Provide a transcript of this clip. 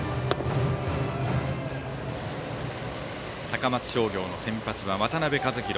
高松商業の先発は渡辺和大。